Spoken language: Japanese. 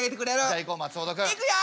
じゃあいこう松本君。いくよ！